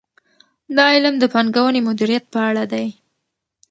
دا علم د پانګونې مدیریت په اړه دی.